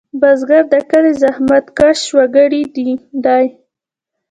بزګر د کلي زحمتکش وګړی دی